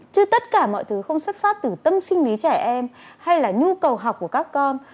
chứ tất cả mọi thứ không xuất phát từ tâm sinh lý trẻ em hay là nhu cầu học của các con